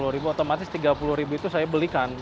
sepuluh ribu otomatis tiga puluh ribu itu saya belikan